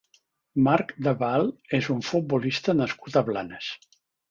Marc de Val és un futbolista nascut a Blanes.